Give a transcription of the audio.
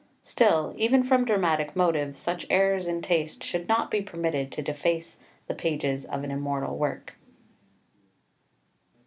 Still, even from dramatic motives, such errors in taste should not be permitted to deface the pages of an immortal work.